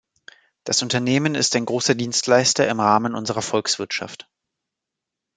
Das Unternehmen ist ein großer Dienstleister im Rahmen unserer Volkswirtschaft.